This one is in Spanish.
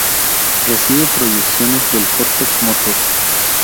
Recibe proyecciones del córtex motor.